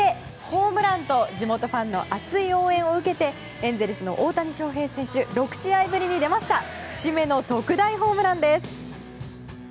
ホームランと地元ファンの熱い応援を受けてエンゼルスの大谷翔平選手６試合ぶりに出ました節目の特大ホームランです。